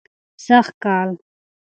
سږ کال